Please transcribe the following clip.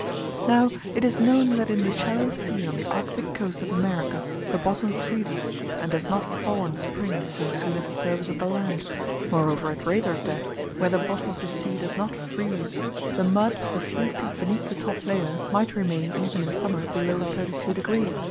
Now, it is known that in the shallow sea on the Arctic coast of America the bottom freezes, and does not thaw in spring so soon as the surface of the land, moreover at greater depths, where the bottom of the sea does not freeze the mud a few feet beneath the top layer might remain even in summer below 32 degs.